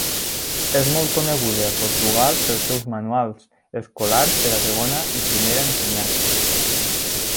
És molt coneguda a Portugal pels seus manuals escolars per a segona i primera ensenyança.